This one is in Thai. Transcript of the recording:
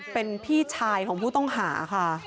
เป็นพี่ชายของผู้ต้องหาค่ะ